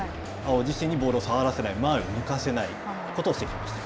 碧自身にボールを触らせない、前を向かせないことをしてきました。